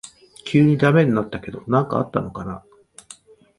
急にダメになったけど何かあったのかな